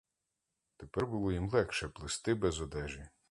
Тепер було їм легше плисти без одежі.